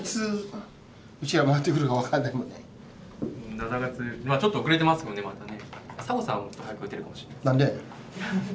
７月ちょっと遅れてますもんねまたね。